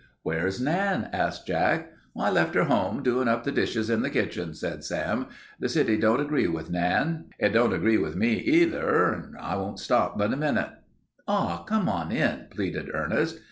"Where's Nan?" asked Jack. "I left her home, doin' up the dishes in the kitchen," said Sam. "The city don't agree with Nan. It don't agree with me much, either. I won't stop but a minute." "Aw, come on in," pleaded Ernest.